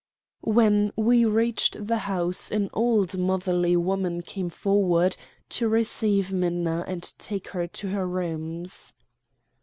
When we reached the house an old motherly woman came forward to receive Minna and take her to her rooms.